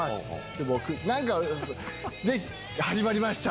で僕始まりました。